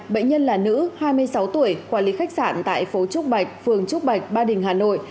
bệnh nhân là nữ hai mươi sáu tuổi quản lý khách sạn tại phố trúc bạch phường trúc bạch ba đình hà nội